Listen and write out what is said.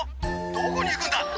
どこに行くんだ？